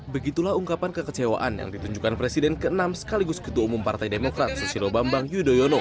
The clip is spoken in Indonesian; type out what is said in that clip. begitulah ungkapan kekecewaan yang ditunjukkan presiden ke enam sekaligus ketua umum partai demokrat susilo bambang yudhoyono